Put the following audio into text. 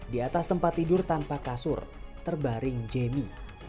di atas tempat tidur tanpa kasur terbaring jemmy